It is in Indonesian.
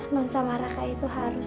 non sama raka itu harus